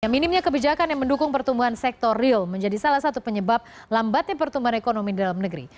minimnya kebijakan yang mendukung pertumbuhan sektor real menjadi salah satu penyebab lambatnya pertumbuhan ekonomi dalam negeri